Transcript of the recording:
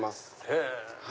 へぇ！